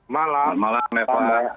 selamat malam bapak bapak